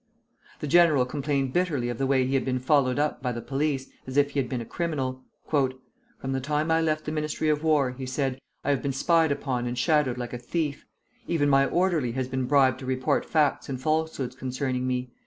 The general complained bitterly of the way he had been followed up by the police, as if he had been a criminal. "From the time I left the Ministry of War," he said, "I have been spied upon and shadowed like a thief. Even my orderly has been bribed to report facts and falsehoods concerning me.